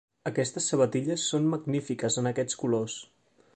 Aquestes sabatilles són magnífiques en aquests colors!